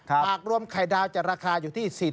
อากรวมไข่ดาวจนราคาอยู่ที่๔๕บาท